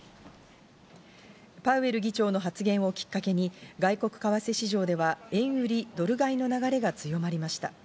パウエル議長の発言をきっかけに、外国為替市場では円売り、ドル買いの流れが強まりました。